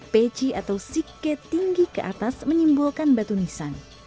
peci atau sike tinggi ke atas menyimbolkan batu nisan